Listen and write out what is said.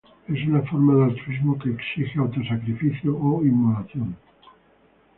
Es una forma de altruismo que exige autosacrificio o inmolación.